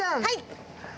はい！